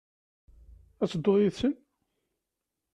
Ad tedduḍ yid-sen?